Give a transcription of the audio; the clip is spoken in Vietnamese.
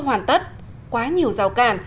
hoàn tất quá nhiều rào cản